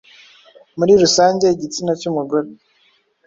Muri rusange igitsina cy’umugore